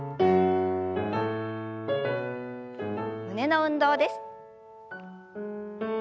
胸の運動です。